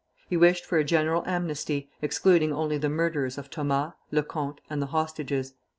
He wished for a general amnesty, excluding only the murderers of Thomas, Lecomte, and the hostages.